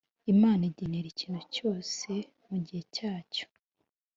imana igenera ikintu cyose mugihe cyacyo